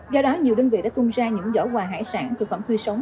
do đó nhiều đơn vị đã tung ra những giỏ quà hải sản thực phẩm tươi sống